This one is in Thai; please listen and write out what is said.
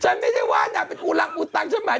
ฉันไม่ได้ว่านางเป็นอุรังอุตังใช่ไหม